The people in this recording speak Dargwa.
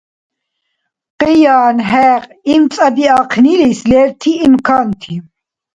Къиян-хӏекь имцӏабиахънилис лерти имканти